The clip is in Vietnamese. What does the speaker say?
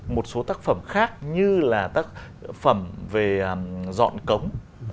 một số tác phẩm khác như là tác phẩm về dọn cống